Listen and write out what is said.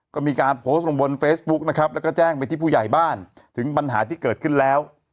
ก็มีการโพสต์ลงบนเฟซบุ๊กนะครับแล้วก็แจ้งไปที่ผู้ใหญ่บ้านถึงปัญหาที่เกิดขึ้นแล้ว